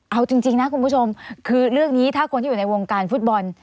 เอาจริงนะคุณผู้ชมคือเรื่องนี้ถ้าคนที่อยู่ในวงการฟุตบอล